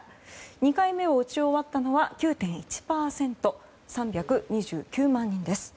２回目を打ち終わったのは９．１％３２９万人です。